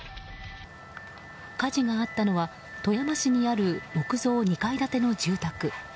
火事があったのは富山市にある木造２階建ての住宅。